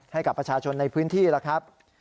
ให้กับประชาชนในพื้นที่แล้วครับ